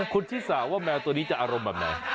คุณชิสาว่าแมวตัวนี้จะอารมณ์แบบไหน